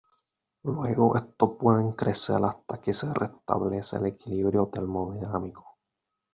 Luego estos pueden crecer hasta que se restablece el equilibrio termodinámico.